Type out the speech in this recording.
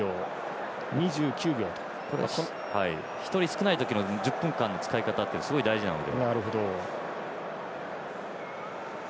１人少ない時の１０分間の使い方ってすごく大事なので。